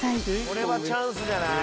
これはチャンスじゃない？